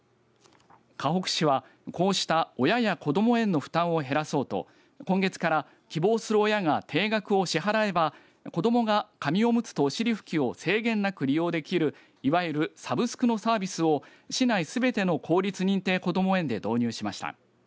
かほく市は、こうした親やこども園の負担を減らそうと今月から希望する親が定額を支払えば子どもが紙おむつとお尻ふきを制限なく利用できる、いわゆるサブスクのサービスを市内すべての公立認定こども園で導入しました。